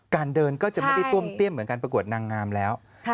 เดินก็จะไม่ได้ต้วมเตี้ยมเหมือนการประกวดนางงามแล้ว